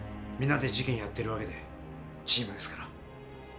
皆で事件やってる訳でチームですから。